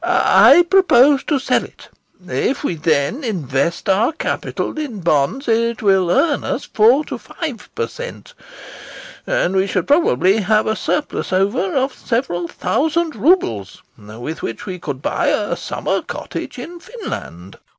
I propose to sell it. If we then invest our capital in bonds, it will earn us four to five per cent, and we should probably have a surplus over of several thousand roubles, with which we could buy a summer cottage in Finland VOITSKI.